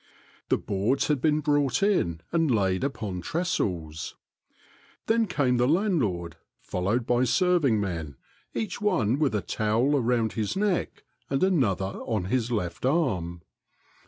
The boards had been brought in and laid upon trestles. Then came the land lord, followed by serving men, each one with a towel around his neck and another on his left arm.